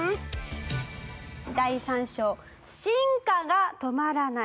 「第三章進化が止まらない」